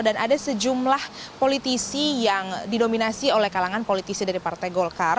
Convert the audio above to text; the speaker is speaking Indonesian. dan ada sejumlah politisi yang didominasi oleh kalangan politisi dari partai golkar